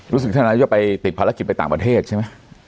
รู้สึกท่านนายกรัฐมนตรีจะไปติดภารกิจไปต่างประเทศใช่ไหม